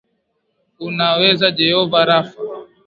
Unaweza Jehovah Rapha,